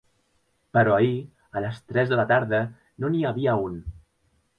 Però ahir a les tres de la tarda no n'hi havia un.